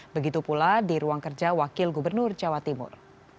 begitu pula di ruang kerja wakil gubernur jawa timur